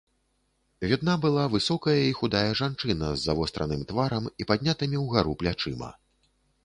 Відна была высокая і худая жанчына з завостраным тварам і паднятымі ўгару плячыма.